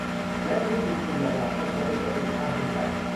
และที่มีทุนรองรังก็ใช้ประโยชน์ได้อีกมากเช่นกัน